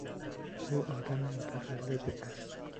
او آدم متقلبی است.